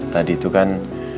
tadi itu kan